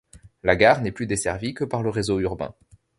La gare n'est plus desservie que par le réseau urbain.